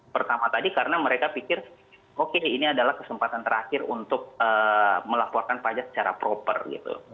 pertama tadi karena mereka pikir oke ini adalah kesempatan terakhir untuk melaporkan pajak secara proper gitu